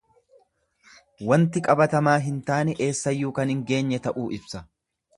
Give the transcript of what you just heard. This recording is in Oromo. Wanti qabatamaa hin taane eessayyuu kan hin geenye ta'uu ibsa.